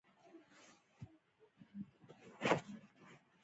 هغې په تلو تلو کې خپلې سترګې په هغه سړي کې ښخې کړې.